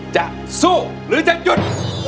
จะสู้หรือจะหยุด